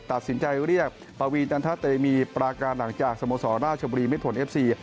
ตัดสินใจเรียกปวีจันทะเตมีปราการหลังจากสโมสรราชบุรีไม่ผลเอฟซี